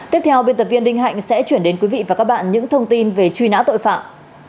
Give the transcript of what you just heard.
tiếp theo biên tập viên đinh hạnh sẽ chuyển đến quý vị và các bạn những thông tin về truy nã tội phạm